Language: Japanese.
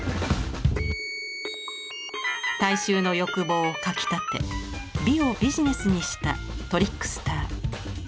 大衆の欲望をかきたて美をビジネスにしたトリックスター。